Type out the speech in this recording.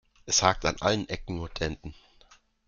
Es hakt an allen Ecken und Enden.